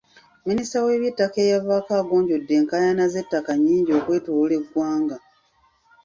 Minisita w'ebyettaka eyavaako agonjodde enkaayana z'ettaka nnyingi okwetooloola eggwanga.